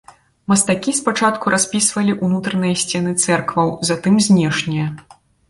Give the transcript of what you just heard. Мастакі спачатку распісвалі ўнутраныя сцены цэркваў, затым знешнія.